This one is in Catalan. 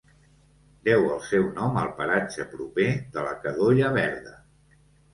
Deu el seu nom al paratge proper de la Cadolla Verda.